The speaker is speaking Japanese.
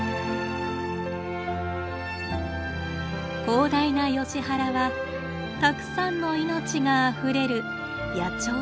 広大なヨシ原はたくさんの命があふれる野鳥の楽園です。